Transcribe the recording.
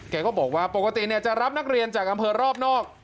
แกก็บอกว่าปกติจะรับนักเรียนจากอำเภอรอบนอก